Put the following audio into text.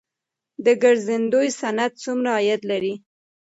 د ګرځندوی صنعت څومره عاید لري؟